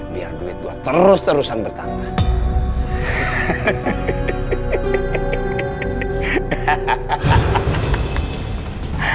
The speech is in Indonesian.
biar duit gue terus terusan bertambah